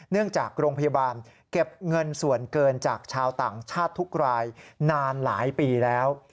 จากโรงพยาบาลเก็บเงินส่วนเกินจากชาวต่างชาติทุกรายนานหลายปีแล้ว